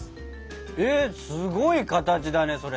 えっすごい形だねそれ。